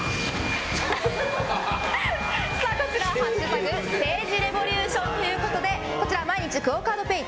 こちら「＃政治レボリューション」ということで毎日ＱＵＯカードＰａｙ